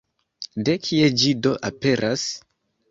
De kie ĝi do aperas?